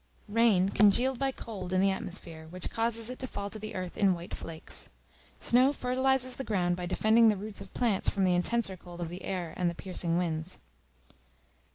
Rain congealed by cold in the atmosphere, which causes it to fall to the earth in white flakes. Snow fertilizes the ground by defending the roots of plants from the intenser cold of the air and the piercing winds.